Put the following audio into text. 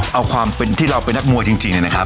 เอาความเป็นที่เราเป็นนักมวยจริงนะครับ